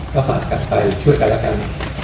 ก็ฝากกันไปช่วยกันแล้วกัน